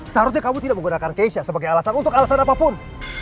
seharusnya kamu tidak menggunakan keisha sebagai alasan untuk alasan apapun